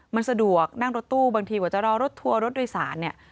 มันสะดวกนั่งรถตู้บางทีพอจะรอรถทัวร์รถโดยสาร